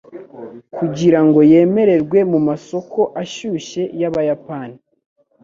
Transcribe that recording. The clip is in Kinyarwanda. kugirango yemererwe mumasoko ashyushye yabayapani.